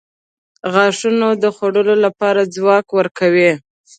• غاښونه د خوړلو لپاره ځواک ورکوي.